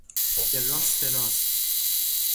به راست راست!